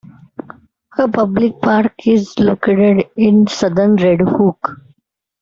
A public park is located in southern Red Hook.